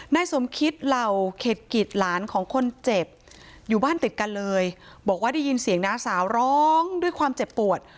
นายสมคิตเหล่าเข็ดกิจหลานของคนเจ็บอยู่บ้านติดกันเลยบอกว่าได้ยินเสียงน้าสาวร้องด้วยความเจ็บปวด